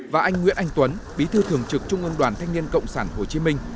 và anh nguyễn anh tuấn bí thư thường trực trung ương đoàn thanh niên cộng sản hồ chí minh